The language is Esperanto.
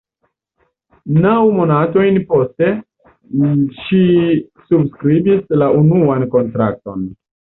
Naŭ monatojn poste, ŝi subskribis la unuan kontrakton.